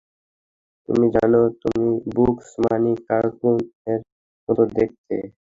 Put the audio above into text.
তুমি জানো, তুমি বুকস বানি কার্টুন এর মতো দেখতে?